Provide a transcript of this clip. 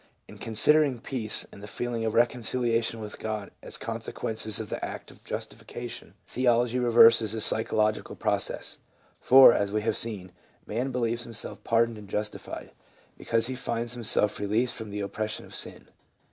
In considering peace and the feeling of reconciliation with God as consequences of the act of jus PSYCHOLOGY OF RELIGIOUS PHENOMENA. 357 tifieation, theology reverses the psychological process : for, as we have seen, man believes himself pardoned and justified, be cause he finds himself released from the oppression of sin.